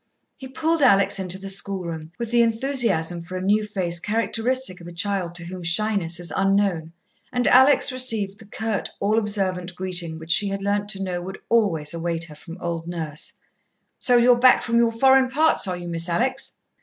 He pulled Alex into the schoolroom, with the enthusiasm for a new face characteristic of a child to whom shyness is unknown, and Alex received the curt, all observant greeting which she had learnt to know would always await her from old Nurse. "So you are back from your foreign parts, are you, Miss Alex?"